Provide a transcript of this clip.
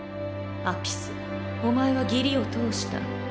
アピスお前は義理を通した。